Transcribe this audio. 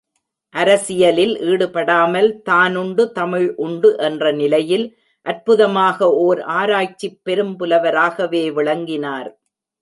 அரசியலில் ஈடுபடாமல், தானுண்டு தமிழ் உண்டு என்ற நிலையில், அற்புதமாக ஓர் ஆராய்ச்சிப் பெரும்புலவராகவே விளங்கினார்.